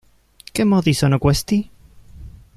Che modi sono questi?